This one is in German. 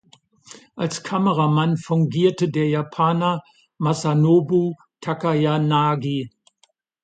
Als Kameramann fungierte der Japaner Masanobu Takayanagi.